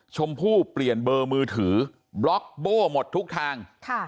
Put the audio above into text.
ชมพู่เปลี่ยนเบอร์มือถือบล็อกโบ้หมดทุกทาง